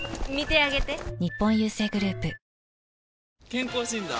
健康診断？